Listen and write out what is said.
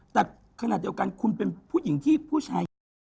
แต่ขณะเดียวกันคุณเป็นผู้หญิงที่ผู้ชายใหญ่